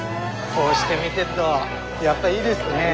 こうして見でっとやっぱいいですね。